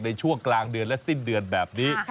ในช่วงกลางเดือนและสิ้นเดือนแบบนี้